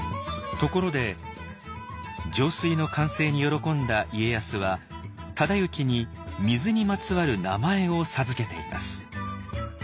ところで上水の完成に喜んだ家康は忠行に水にまつわる名前を授けています。